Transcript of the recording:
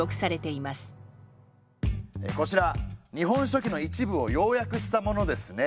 こちら「日本書紀」の一部を要約したものですね。